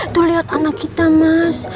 tuh lihat anak kita mas